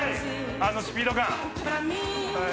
あのスピード感！